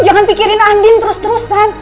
jangan pikirin andin terus terusan